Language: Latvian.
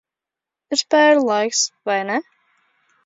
Ir spēļu laiks, vai ne?